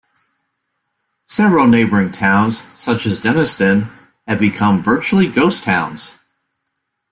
Several neighbouring towns, such as Denniston, have become virtually ghost towns.